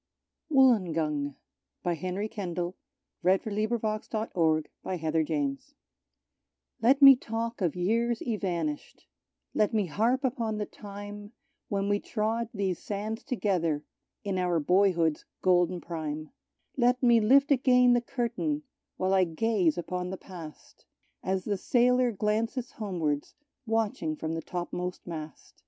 le your soul with her hair! With a mesh of her splendid hair. Wollongong Let me talk of years evanished, let me harp upon the time When we trod these sands together, in our boyhood's golden prime; Let me lift again the curtain, while I gaze upon the past, As the sailor glances homewards, watching from the topmost mast.